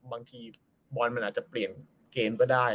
บางทีบอลมันอาจจะเปลี่ยนเกมก็ได้